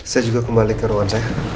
saya juga kembali ke ruang saya